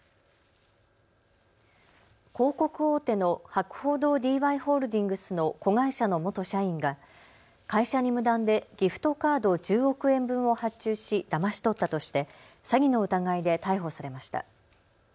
広告大手の博報堂ＤＹホールディングスの子会社の元社員が会社に無断でギフトカード１０億円分を発注しだまし取ったとして詐欺の疑いで逮捕されました。